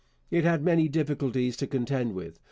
It had many difficulties to contend with.